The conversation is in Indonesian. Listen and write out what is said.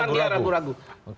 menunjukkan dia ragu ragu